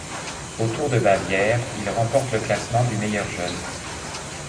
Au Tour de Bavière, il remporte le classement du meilleur jeune.